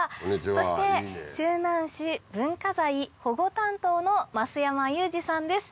そして周南市文化財保護担当の増山雄士さんです。